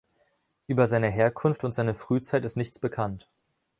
Über seine Herkunft und seine Frühzeit ist nichts bekannt.